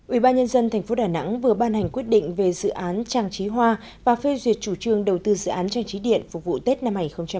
ubnd tp đà nẵng vừa ban hành quyết định về dự án trang trí hoa và phê duyệt chủ trương đầu tư dự án trang trí điện phục vụ tết năm hai nghìn hai mươi